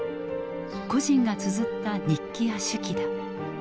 個人がつづった日記や手記だ。